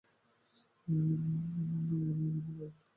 ওয়ালি Afghan গায়ক হায়দার সেলিমের চাচাতো ভাই।